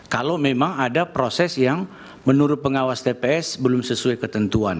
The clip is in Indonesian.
kalau memang ada proses yang menurut pengawas tps belum sesuai ketentuan